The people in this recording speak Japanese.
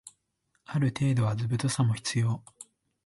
ある程度は図太さも必要